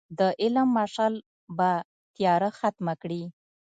د علم مشعل به تیاره ختمه کړي.